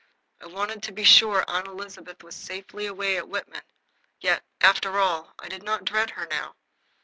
I wanted to be sure Aunt Elizabeth was safely away at Whitman. Yet, after all, I did not dread her now.